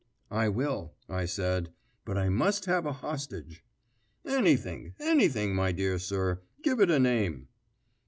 "I will," I said; "but I must have a hostage." "Anything, anything, my dear sir. Give it a name."